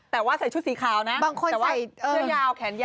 แต่ว่าใส่ชุดสีขาวแต่ว่าเสื้อยาวแขน